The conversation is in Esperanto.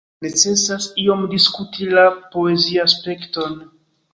Necesas iom diskuti la poeziaspekton.